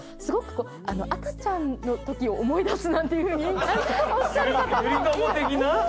すごく赤ちゃんのときを思い出すなんていうふうにおっしゃる方が。